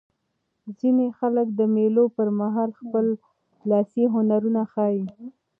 ځیني خلک د مېلو پر مهال خپل لاسي هنرونه ښيي.